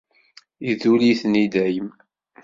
Idull-iten i dayem.